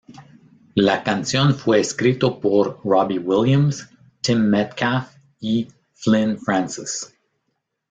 La canción fue escrito por Robbie Williams, Tim Metcalfe y Flynn Francis.